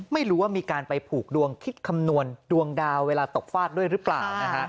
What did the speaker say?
ไม่รู้ว่ามีการไปผูกดวงคิดคำนวณดวงดาวเวลาตกฟาดด้วยหรือเปล่า